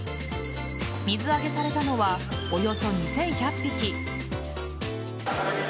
水揚げされたのはおよそ２１００匹。